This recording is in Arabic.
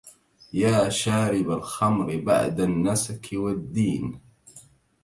يا شارب الخمر بعد النسك والدين